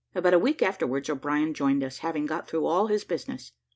About a week afterwards, O'Brien joined us, having got through all his business.